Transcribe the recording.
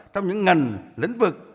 trong những ngành lĩnh vực